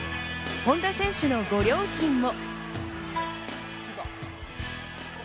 本多選手のご両親も。